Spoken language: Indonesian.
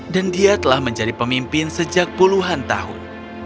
dan dia telah menjadi pemimpin sejak puluhan tahun